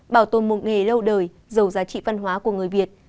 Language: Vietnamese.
bảo tồn một nghề lâu đời giàu giá trị văn hóa của người việt